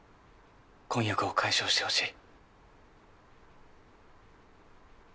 婚約を解消してほしい。